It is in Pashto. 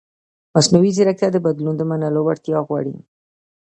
مصنوعي ځیرکتیا د بدلون د منلو وړتیا غواړي.